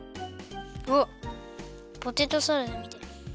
おっポテトサラダみたい。